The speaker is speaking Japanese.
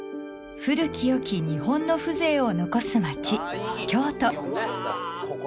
［古きよき日本の風情を残す街京都］